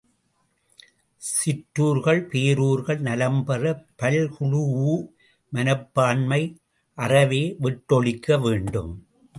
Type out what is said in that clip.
சிற்றூர்கள் பேரூர்கள் நலம்பெற பல்குழூஉ மனப்பான்மை அறவே விட்டொழிக்க வேண்டும்.